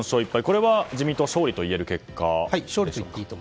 これは自民党勝利と言える結果でしょうか？